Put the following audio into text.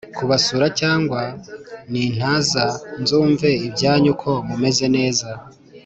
kubasura cyangwa nintaza nzumve ibyanyu ko mumez neza